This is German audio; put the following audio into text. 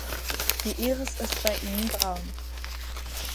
Die Iris ist bei ihnen braun.